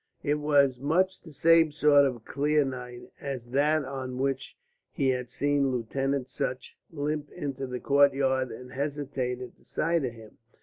It was much the same sort of clear night as that on which he had seen Lieutenant Sutch limp into the courtyard and hesitate at the sight of him.